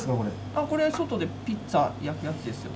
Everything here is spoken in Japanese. これ外でピッツァ焼くやつですよ。